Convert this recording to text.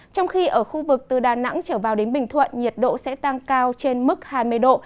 trong khi ở khu vực từ đà nẵng trở vào đến bình thuận nhiệt độ sẽ tăng cao trên mức hai mươi độ